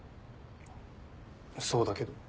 そうだけど。